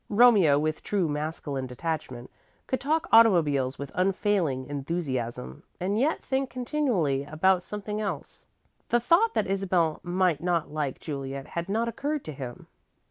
'" Romeo, with true masculine detachment, could talk automobile with unfailing enthusiasm, and yet think continually about something else. The thought that Isabel might not like Juliet had not occurred to him.